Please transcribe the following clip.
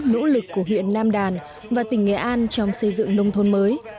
nỗ lực của huyện nam đàn và tỉnh nghệ an trong xây dựng nông thôn mới